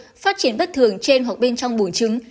phát triển bất thường trên hoặc bên trong bùn trứng